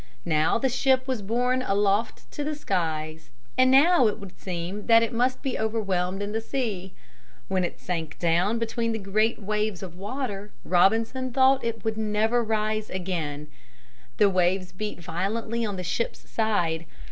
Now the ship was borne aloft to the skies, and now it would seem that it must be overwhelmed in the sea. When it sank down between the great waves of water, Robinson thought it would never again rise. The waves beat violently on the ship's side.